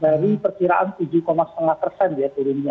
jadi ini mengindikasikan adanya perlambatan ekonomi dalam negeri gitu ya